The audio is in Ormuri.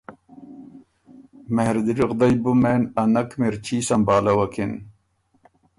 مهردل غدئ بُو مېن ا نک مِرچي سمبهالَوَکِن